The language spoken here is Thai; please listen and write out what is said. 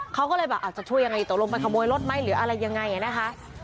เขาก็เลยแบบอาจจะช่วยยังไงตกลงไปขโมยรถไหมหรืออะไรยังไงนะคะ